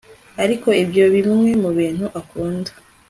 ariko ibyo ni bimwe mubintu akunda